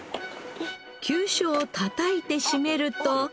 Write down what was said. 急所をたたいて締めると